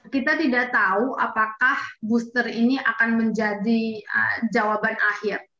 kita tidak tahu apakah booster ini akan menjadi jawaban akhir